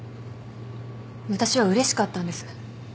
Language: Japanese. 私はうれしかったんです。